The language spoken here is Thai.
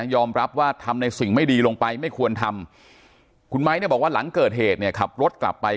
ยอมรับว่าทำในสิ่งไม่ดีลงไปไม่ควรทำคุณไม้เนี่ยบอกว่าหลังเกิดเหตุเนี่ยขับรถกลับไป